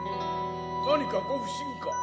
何かご不審か！